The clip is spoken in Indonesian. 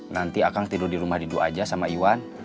nanti akang tidur di rumah didu aja sama iwan